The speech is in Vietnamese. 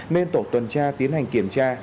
nên tổ tuần tra tiến hành kiểm tra